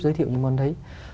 giới thiệu những món đấy